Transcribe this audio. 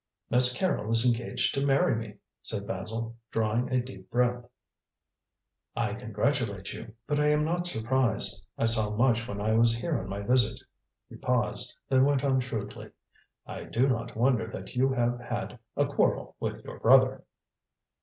"Miss Carrol is engaged to marry me," said Basil, drawing a deep breath. "I congratulate you, but I am not surprised. I saw much when I was here on my visit" he paused; then went on shrewdly, "I do not wonder that you have had a quarrel with your brother."